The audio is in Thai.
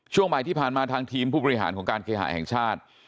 ช่วงบ่ายที่ผ่านมาทางทีมผู้บริหารของการเคหาแห่งชาติ